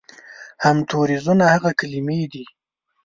همتوریزونه هغه کلمې دي